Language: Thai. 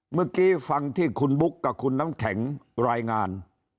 เมื่อกี้ฟังที่คุณบุ๊คกับคุณน้ำแข็งรายงาน